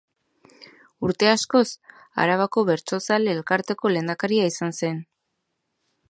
Urte askoz Arabako Bertsozale Elkarteko lehendakaria izan zen.